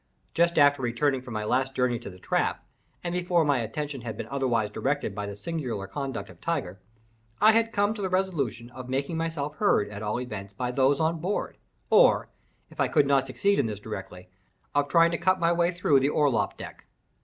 Just after returning from my last journey to the trap, and before my attention had been otherwise directed by the singular conduct of Tiger, I had come to the resolution of making myself heard at all events by those on board, or, if I could not succeed in this directly, of trying to cut my way through the orlop deck.